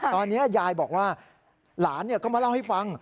ตอนนี้ยายบอกว่าหลานก็มาเล่าให้ฟัง